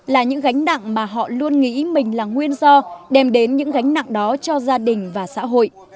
là những gánh nặng mà họ luôn nghĩ mình là nguyên do đem đến những gánh nặng đó cho gia đình và xã hội